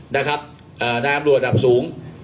นายอบรวชทั้งสูง